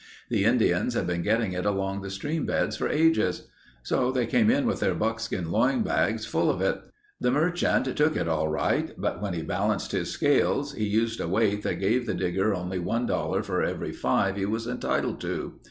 The Indians had been getting it along the stream beds for ages. So they came in with their buckskin loin bags full of it. The merchant took it all right, but when he balanced his scales, he used a weight that gave the Digger only one dollar for every five he was entitled to.